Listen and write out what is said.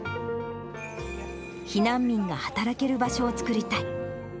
避難民が働ける場所を作りたい。